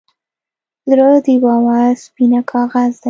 زړه د باور سپینه کاغذ دی.